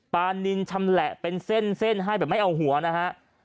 ปานินชำแหละเป็นเส้นให้แบบไม่เอาหัวนะฮะ